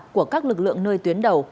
của các lực lượng nơi tuyến đầu